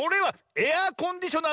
エアコンディショナー？